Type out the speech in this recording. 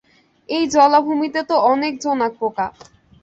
এই জলাভূমিতে তো অনেক জোনাক পোকা।